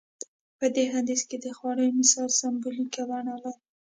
په دې حديث کې د خوړو مثال سمبوليکه بڼه لري.